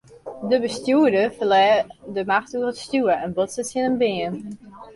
De bestjoerder ferlear de macht oer it stjoer en botste tsjin in beam.